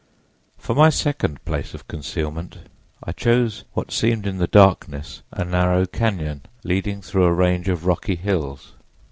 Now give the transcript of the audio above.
"For my second place of concealment I chose what seemed in the darkness a narrow cañon leading through a range of rocky hills.